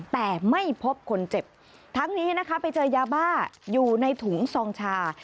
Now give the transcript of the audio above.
แต่ไม่พบคนเจ็บทั้งนี้นะคะไปเจอยาบ้าอยู่ในถุงซองชา